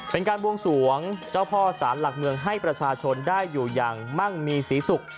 เป็นการบวงสวงเจ้าพ่อสารหลักเมืองให้ประชาชนได้อยู่อย่างมั่งมีศรีสุข